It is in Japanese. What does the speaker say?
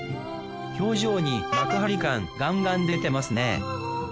表情に幕張感ガンガン出てますね